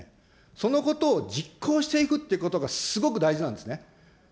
そのことを実行していくということがすごく大事なんですね。